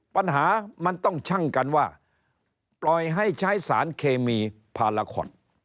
ปัญหามันต้องชั่งกันว่าปล่อยให้ใช้สารเคมีพาราคอต